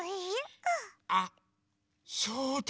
あそうだ！